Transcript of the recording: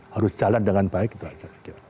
harus jalan dengan baik itu aja